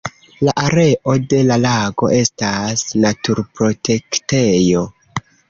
La areo de la lago estas naturprotektejo.